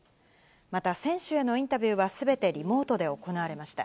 また選手へのインタビューはすべてリモートで行われました。